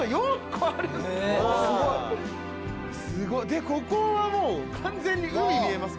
でここはもう完全に海見えます。